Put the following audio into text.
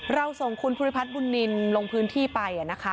เราส่งคุณภูริพัฒน์บุญนินลงพื้นที่ไปนะคะ